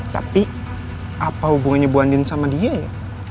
tapi apa hubungannya bu andin sama dia ya